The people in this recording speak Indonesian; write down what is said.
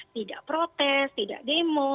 tidak protes tidak demo